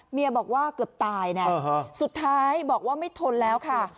เมียบอกว่าเกือบตายนะสุดท้ายบอกว่าไม่ทนแล้วค่ะ